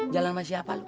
jalan sama siapa lu